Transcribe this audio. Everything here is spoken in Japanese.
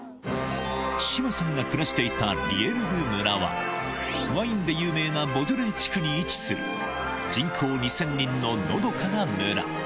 志麻さんが暮らしていたリエルグ村は、ワインで有名なボジョレー地区に位置する、人口２０００人ののどかな村。